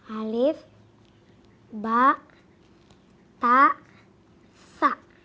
alif bak ta sa